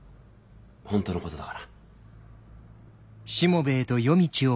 本当のことだから。